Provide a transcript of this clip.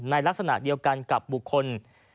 ลักษณะเดียวกันกับบุคคล